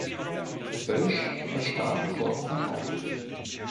Bölsche verstarb kurz darauf.